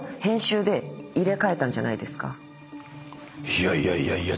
いやいやいやいや。